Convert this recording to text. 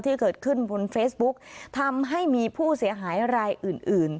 ที่เกิดขึ้นบนเฟซบุ๊กทำให้มีผู้เสียหายรายอื่นอื่น